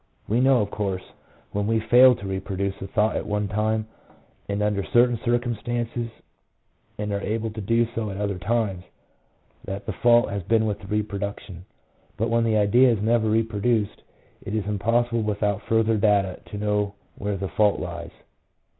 We know, of course, when we fail to reproduce a thought at one time and under certain circumstances, and are able to do so at other times, that the fault has been with the repro duction; but when the idea is never reproduced, it is impossible without further data to know where the fault lies.